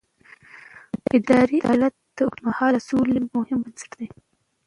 اداري عدالت د اوږدمهاله سولې مهم بنسټ دی